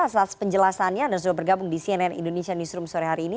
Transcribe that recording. atas penjelasannya anda sudah bergabung di cnn indonesia newsroom sore hari ini